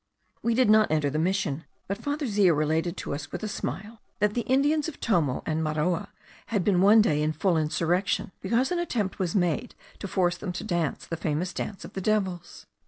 We did not enter the mission, but Father Zea related to us with a smile, that the Indians of Tomo and Maroa had been one day in full insurrection, because an attempt was made to force them to dance the famous dance of the devils.